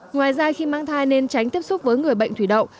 ngoài ra khi mang thai nên tránh tiếp xúc với người bệnh thủy đậu